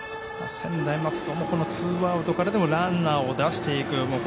専大松戸はツーアウトからでもランナーを出していく。